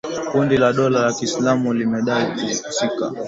Kundi la dola ya Kiislamu limedai kuhusika